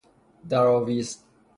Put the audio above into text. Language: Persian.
در آویز